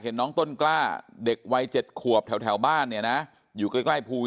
น้องต้นกล้าเด็กวัย๗ขวบแถวบ้านเนี่ยนะอยู่ใกล้ภู